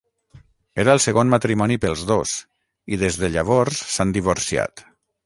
Era el segon matrimoni pels dos, i des de llavors s'han divorciat.